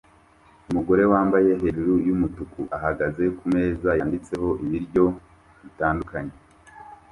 Umugore wambaye hejuru yumutuku ahagaze kumeza yanditseho ibiryo bitandukanye